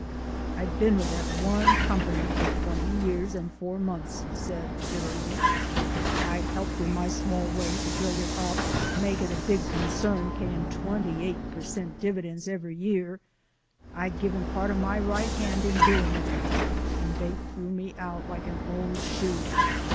"I'd been with that one company for twenty years and four months," he said bitterly, "I'd helped in my small way to build it up, make it a big concern payin' 28 per cent. dividends every year; I'd given part of my right hand in doin' it and they threw me out like an old shoe."